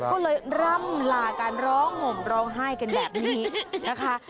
ก็เลยร่ำลากันร้องห่มร้องไห้กันแบบนี้นะคะ